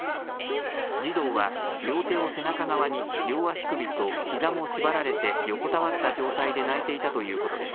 児童は、両手を背中側に、両足首とひざも縛られて横たわった状態で泣いていたということです。